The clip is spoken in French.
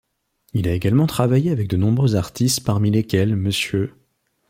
Il a également travaillé avec de nombreux artistes parmi lesquels Mr.